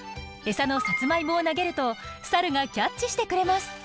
餌のサツマイモを投げるとサルがキャッチしてくれます。